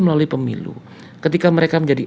melalui pemilu ketika mereka menjadi